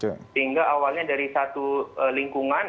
sehingga awalnya dari satu lingkungan